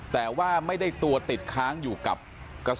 แต่ว่าไม่ได้ตัวติดค้างอยู่กับกระแสไฟฟ้าที่ถูกดูดเข้าไปอะ